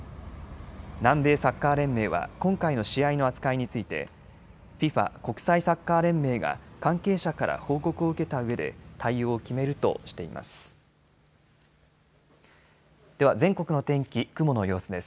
南米サッカー連盟は今回の試合の扱いについてＦＩＦＡ・国際サッカー連盟が関係者から報告を受けたうえで対応を決めるとしています。